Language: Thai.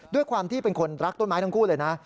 ด้วยความที่เป็นคนรักต้นไม้ทั้งคู่เลยนะ